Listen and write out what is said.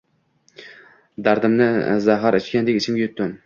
Dardimni zahar ichgandek, ichimga yutdim.